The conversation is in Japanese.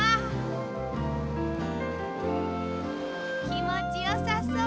きもちよさそう。